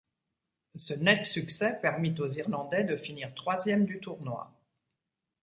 Ce net succès permet aux Irlandais de finir troisième du tournoi.